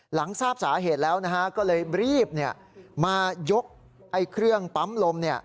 หลังทราบสาเหตุแล้วก็เลยรีบมายกเครื่องปั๊มลม